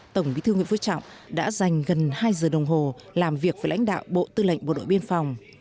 tổng bí thư nguyễn phú trọng đã dành gần hai giờ đồng hồ làm việc với lãnh đạo bộ tư lệnh bộ đội biên phòng